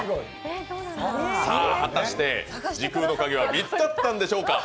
さぁ、果たして時空の鍵は見つかったのでしょうか？